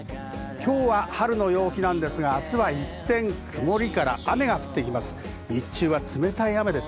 今日は春の陽気ですが、明日は一転、曇りから雨が降ってきます。